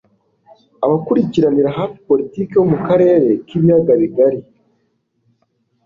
abakurikiranira hafi politiki yo mu karere k'ibiyaga bigari